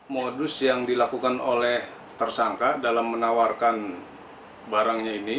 modus yang dilakukan oleh tersangka dalam menawarkan barangnya ini